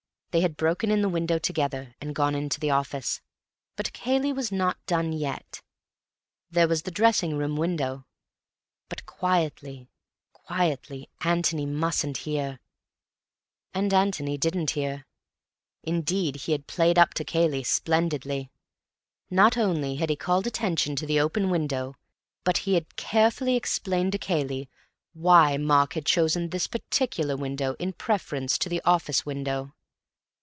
They had broken in the window together, and gone into the office. But Cayley was not done yet. There was the dressing room window! But quietly, quietly. Antony mustn't hear. And Antony didn't hear. Indeed, he had played up to Cayley splendidly. Not only had he called attention to the open window, but he had carefully explained to Cayley why Mark had chosen this particular window in preference to the office window.